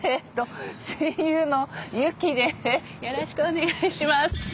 よろしくお願いします。